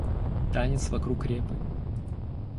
Танец вокруг репы.